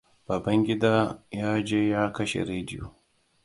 Babangida yaje ya kashe radio.